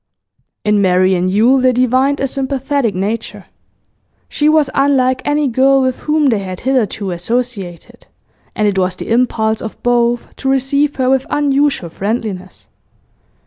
In Marian Yule they divined a sympathetic nature. She was unlike any girl with whom they had hitherto associated, and it was the impulse of both to receive her with unusual friendliness.